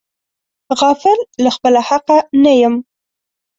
غافل له خپله حقه نه یم.